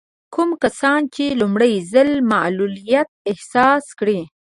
کوم کسان چې لومړی ځل معلوليت احساس کړي.